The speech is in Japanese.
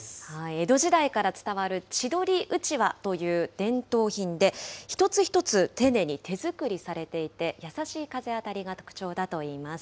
江戸時代から伝わる千鳥うちわという伝統品で、一つ一つ丁寧に手作りされていて、優しい風当たりが特徴だといいます。